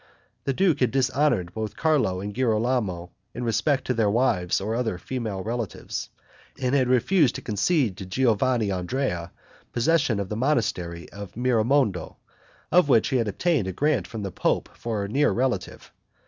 The duke had dishonored both Carlo and Girolamo in respect to their wives or other female relatives, and had refused to concede to Giovanandrea possession of the monastery of Miramondo, of which he had obtained a grant from the pope for a near relative.